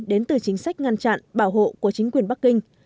đến từ chính sách ngăn chặn bảo hộ của chính quyền bắc kinh